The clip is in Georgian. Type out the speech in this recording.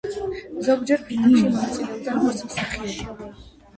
ზოგჯერ ფილმებში მონაწილეობდა, როგორც მსახიობი.